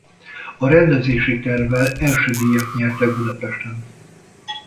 A rendezési tervvel első díjat nyertek Budapesten.